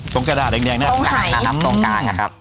ตรงกระดาษสีแดงแล้วตรงไหนตรงไหนล่ะครับตรงกลางครับ